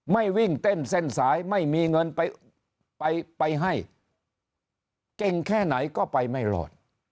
วิ่งเต้นเส้นสายไม่มีเงินไปไปให้เก่งแค่ไหนก็ไปไม่รอด